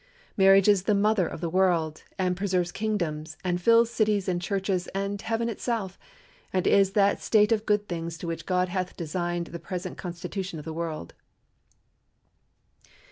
Marriage is the mother of the world, and preserves kingdoms, and fills cities and churches and heaven itself, and is that state of good things to which God hath designed the present constitution of the world."